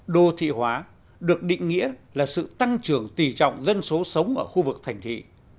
đô thị hóa được định nghĩa là sự tăng trưởng tỷ trọng dân số sống ở khu vực thành thị